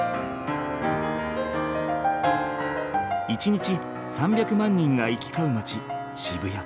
１日３００万人が行き交う街渋谷。